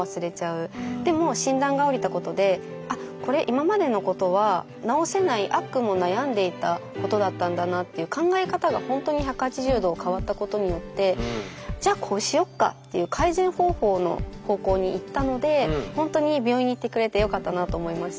でも診断が下りたことであっこれ今までのことはことだったんだなっていう考え方がほんとに１８０度変わったことによってじゃあこうしよっかっていう行ったのでほんとに病院に行ってくれてよかったなあと思いました。